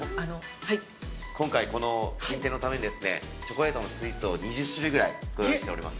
◆今回、この新店のためにチョコレートのスイーツを２０種類ぐらいご用意しております。